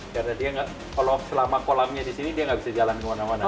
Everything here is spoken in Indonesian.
karena dia selama kolamnya di sini dia nggak bisa jalan ke mana mana